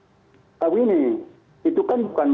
tapi ini itu kan bukan manusia yang harus diperintahkan